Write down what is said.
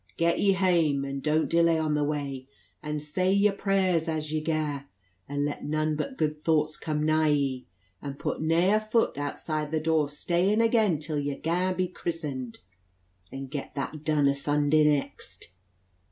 "Get ye heyame, and don't delay on the way; and say yer prayers as ye gaa; and let none but good thoughts come nigh ye; and put nayer foot autside the door steyan again till ye gaa to be christened; and get that done a Sunda' next."